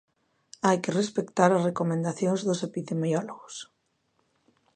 Hai que respectar as recomendacións dos epidemiólogos.